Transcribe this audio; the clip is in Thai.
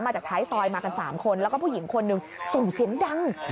จากท้ายซอยมากัน๓คนแล้วก็ผู้หญิงคนหนึ่งส่งเสียงดัง